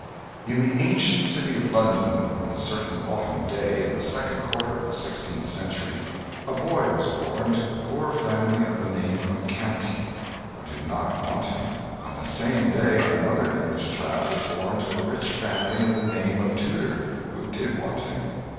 In the ancient city of London, on a certain autumn day in the second quarter of the sixteenth century, a boy was born to a poor family of the name of Canty, who did not want him. On the same day another English child was born to a rich family of the name of Tudor, who did want him.